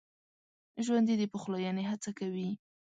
ژوندي د پخلاينې هڅه کوي